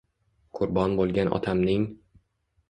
Qurbon bo’lgan otamning —